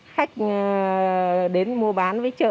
khách đến mua bán với chợ